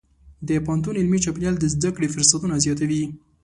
د پوهنتون علمي چاپېریال د زده کړې فرصتونه زیاتوي.